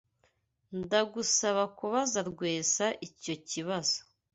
Ndagusaba kubaza Rwesa icyo kibazo.